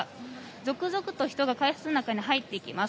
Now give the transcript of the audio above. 続々と人が改札の中へと入っていきます。